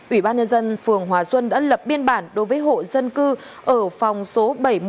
ủy ban nhân dân phường hòa xuân đã lập biên bản đối với hộ dân cư ở phòng số bảy trăm một mươi một